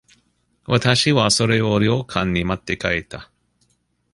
私は、それを旅館に持って帰った。